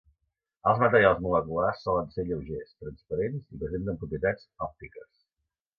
Els materials moleculars solen ser lleugers, transparents i presenten propietats òptiques.